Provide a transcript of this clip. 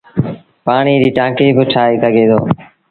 پآڻيٚ ريٚ ٽآنڪيٚ با ٺآهي سگھي دو۔